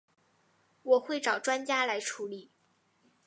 我会找专家来处理